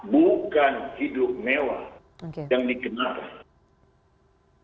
bukan hidup mewah yang dikenakan